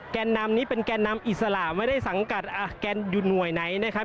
แกนนำนี้เป็นแกนนำอิสระไม่ได้สังกัดแกนอยู่หน่วยไหนนะครับ